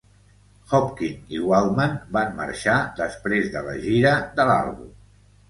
Hopkin i Waldman van marxar després de la gira de l'àlbum.